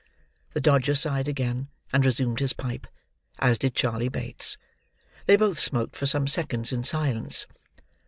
The Dodger sighed again, and resumed his pipe: as did Charley Bates. They both smoked, for some seconds, in silence.